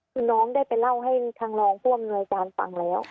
คือน้องได้ไปเล่าให้ทางรองผู้อำนวยการฟังแล้ว